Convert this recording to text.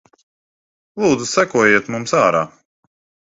Lūdzu sekojiet mums ārā.